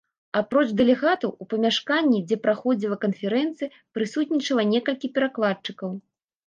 Апроч дэлегатаў, у памяшканні, дзе праходзіла канферэнцыя, прысутнічала некалькі перакладчыкаў.